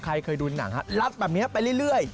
ใครเคยดูหนังฮะรัดแบบนี้ไปเรื่อย